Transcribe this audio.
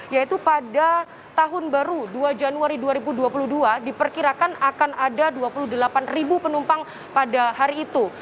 yaitu pada tahun baru dua januari dua ribu dua puluh dua diperkirakan akan ada dua puluh delapan penumpang pada hari itu